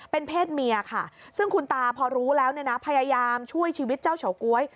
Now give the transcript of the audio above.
เป็นเพศเมียค่ะซึ่งคุณตาพอรู้แล้วเนี่ยนะพยายามช่วยชีวิตเจ้าเฉาก๊วย